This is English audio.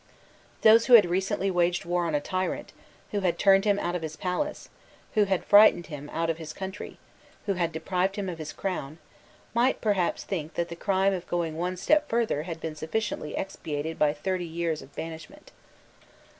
Those who had recently waged war on a tyrant, who had turned him out of his palace, who had frightened him out of his country, who had deprived him of his crown, might perhaps think that the crime of going one step further had been sufficiently expiated by thirty years of banishment.